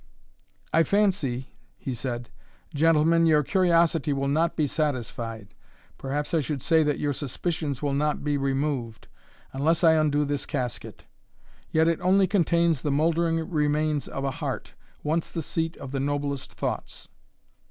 "I fancy," he said, "gentlemen, your curiosity will not be satisfied, perhaps I should say that your suspicions will not be removed, unless I undo this casket; yet it only contains the mouldering remains of a heart, once the seat of the noblest thoughts."